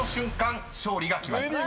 勝利が決まります］